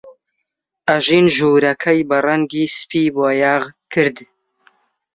ئەژین ژوورەکەی بە ڕەنگی سپی بۆیاغ کرد.